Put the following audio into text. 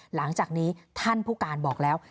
หลังจากนี้ท่านผู้การบอกแล้ว